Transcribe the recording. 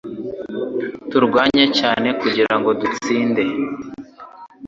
Twarwanye cyane kugirango dutsinde